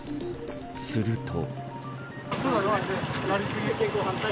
すると。